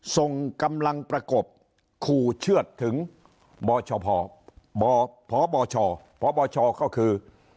ส่งกำลังประกบขู่เชื่อดถึงบชพบชพบชก็คือ